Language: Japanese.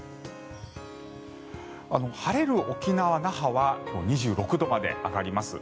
晴れる沖縄・那覇は今日は２６度まで上がります。